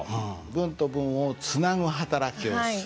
文と文をつなぐ働きをする。